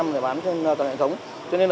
để bán trên toàn bộ hệ thống